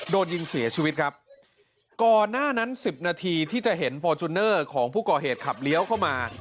โดนยิงเสียชีวิตครับก่อนหน้านั้นสิบนาทีที่จะเห็นฟอร์จูเนอร์ของผู้ก่อเหตุขับเลี้ยวเข้ามา